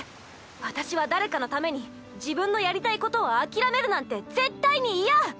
私は誰かのために自分のやりたいことを諦めるなんて絶対に嫌！